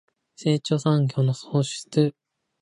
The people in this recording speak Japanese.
成長産業の創出